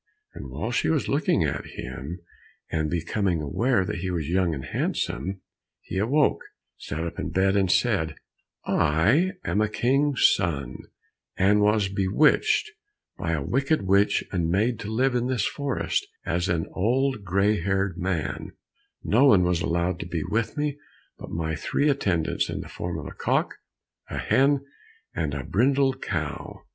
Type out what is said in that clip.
And while she was looking at him, and becoming aware that he was young and handsome, he awoke, sat up in bed, and said, "I am a King's son, and was bewitched by a wicked witch, and made to live in this forest, as an old gray haired man; no one was allowed to be with me but my three attendants in the form of a cock, a hen, and a brindled cow.